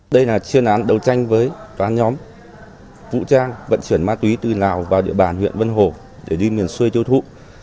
tại cơ quan công an các đối tượng khai nhận vận chuyển thuê số mát tuyến trên từ khu vực biên giới đến huyện vân hồ